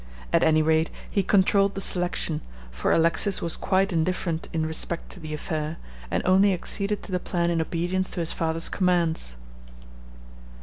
At any rate, he controlled the selection, for Alexis was quite indifferent in respect to the affair, and only acceded to the plan in obedience to his father's commands.